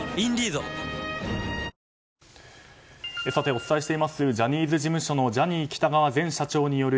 お伝えしていますジャニーズ事務所のジャニー喜多川前社長による